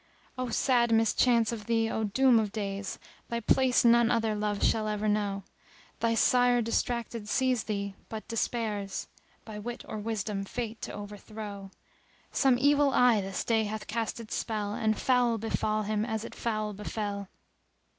O sad mischance o' thee, O doom of days, * Thy place none other love shall ever know: Thy sire distracted sees thee, but despairs * By wit or wisdom Fate to overthrow: Some evil eye this day hath cast its spell * And foul befal him as it foul befel!"